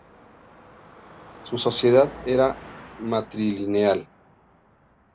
Su sociedad era matrilineal.